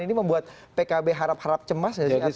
ini membuat pkb harap harap cemas gak sih